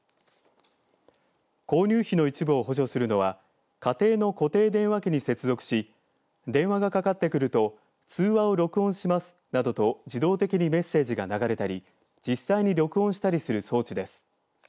購入費の一部を補助するのは家庭の固定電話機に接続し電話がかかってくると通話を録音しますなどと自動的にメッセージが流れたり実際に録音したりする装置です。